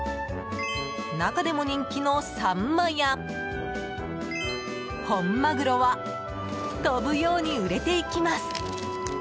中でも人気のサンマや本マグロは飛ぶように売れていきます。